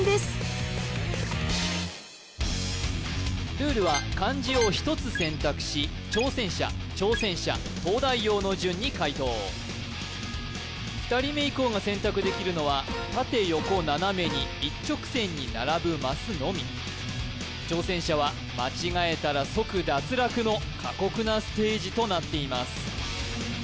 ルールは漢字を１つ選択し挑戦者挑戦者東大王の順に解答２人目以降が選択できるのは縦横斜めに一直線に並ぶマスのみ挑戦者は間違えたら即脱落の過酷なステージとなっています